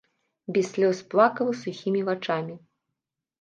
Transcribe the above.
Без слёз плакала сухімі вачамі.